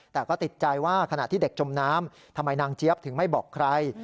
แต่ก็ติดใจว่าขณะที่เด็กจมน้ำทำไมนางเจี๊ยบถึงไม่บอกใคร